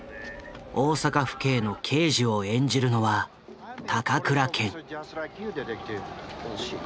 大阪府警の刑事を演じるのは高倉健。